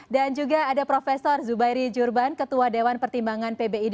dan juga ada prof zubairi jurban ketua dewan pertimbangan pbid